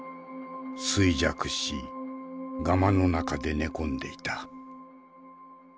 衰弱しガマの中で寝込んでいた。